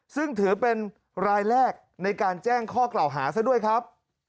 ซึ่งถือเป็นรายแรกในการแจ้งข้อกล่าวหาซะด้วยครับ